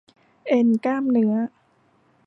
เอ็นกล้ามเนื้อ